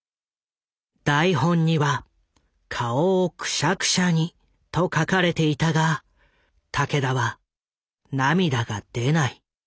台本には「顔をくしゃくしゃに」と書かれていたが武田は涙が出ない。